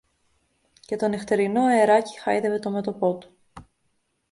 Και το νυχτερινό αεράκι χάιδευε το μέτωπο του